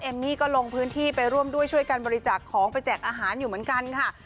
มี่ก็ลงพื้นที่ไปร่วมด้วยช่วยกันบริจาคของไปแจกอาหารอยู่เหมือนกันค่ะ